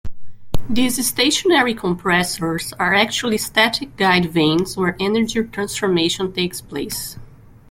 These stationary compressors are actually static guide vanes where energy transformation takes place.